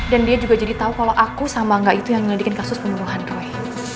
dan dia juga jadi tau kalo aku sama enggak itu yang melidikin kasus pembunuhan roy